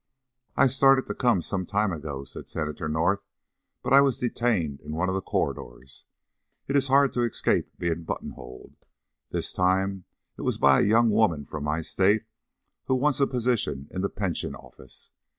"I started to come some time ago," said Senator North, "but I was detained in one of the corridors. It is hard to escape being buttonholed. This time it was by a young woman from my State who wants a position in the Pension Office.